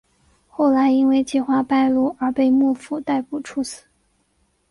后来因为计划败露而被幕府逮捕处死。